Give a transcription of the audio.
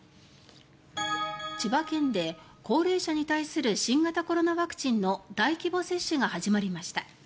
千葉県で高齢者に対する新型コロナワクチンの大規模接種が始まりました。